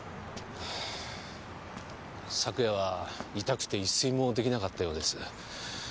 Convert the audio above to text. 昨夜は痛くて一睡も出来なかったようです。